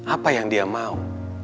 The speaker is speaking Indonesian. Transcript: apa yang dia mau